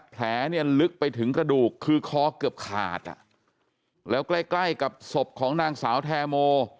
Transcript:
แผลลึกไปถึงกระดูกคือคอเกือบขาดแล้วใกล้กับศพของนางสาวแทรโม